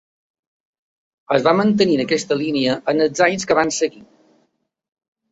Es va mantenir en aquesta línia en els anys que van seguir.